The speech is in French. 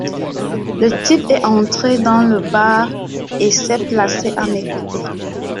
Le type est entré dans le bar et s’est placé à mes côtés.